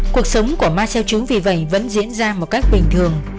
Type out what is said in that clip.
cuộc sống của marcel chứ vì vậy vẫn diễn ra một cách bình thường